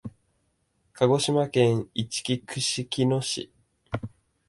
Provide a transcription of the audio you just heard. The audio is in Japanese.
鹿児島県いちき串木野市